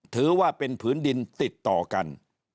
ถือว่าเป็นผืนดินติดต่อกัน